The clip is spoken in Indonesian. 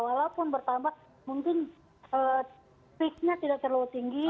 walaupun bertambah mungkin peaknya tidak terlalu tinggi